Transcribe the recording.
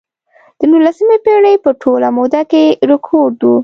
د نولسمې پېړۍ په ټوله موده کې رکود و.